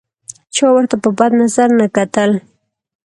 چا ورته په بد نظر نه کتل.